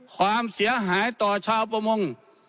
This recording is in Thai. ความเสียหายต่อชาวประมง